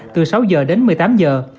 từ sáu giờ đến một mươi tám giờ